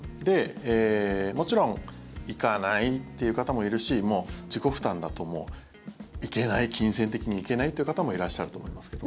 もちろん行かないっていう方もいるし自己負担だともう行けない金銭的に行けないっていう方もいらっしゃると思いますけどね。